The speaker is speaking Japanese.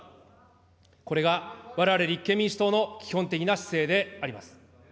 これがわれわれ立憲民主党の基本的な姿勢であります。